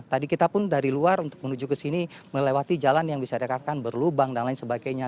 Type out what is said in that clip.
tadi kita pun dari luar untuk menuju ke sini melewati jalan yang bisa dikatakan berlubang dan lain sebagainya